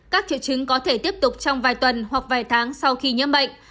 các triệu chứng có thể tiếp tục trong vài tuần hoặc vài tháng sau khi nhiễm bệnh